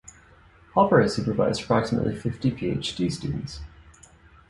Hopper has supervised approximately fifty PhD students.